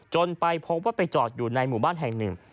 ไปพบว่าไปจอดอยู่ในหมู่บ้านแห่งหนึ่ง